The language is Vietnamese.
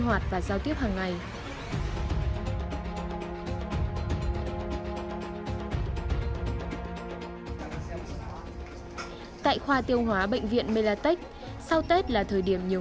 hoạt và giao tiếp hàng ngày tại khoa tiêu hóa bệnh viện melatech sau tết là thời điểm nhiều